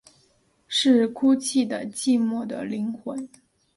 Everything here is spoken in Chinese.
是哭泣的寂寞的灵魂